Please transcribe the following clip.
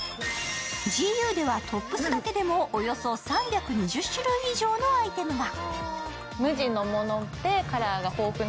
ＧＵではトップスだけでもおよそ３２０種類以上のアイテムが。